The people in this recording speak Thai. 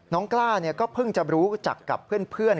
กล้าก็เพิ่งจะรู้จักกับเพื่อน